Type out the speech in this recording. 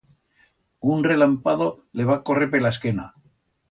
Un relampado le va correr per la esquena.